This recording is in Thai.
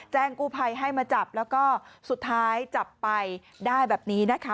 กู้ภัยให้มาจับแล้วก็สุดท้ายจับไปได้แบบนี้นะคะ